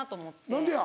何でや？